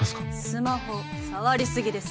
スマホ触りすぎです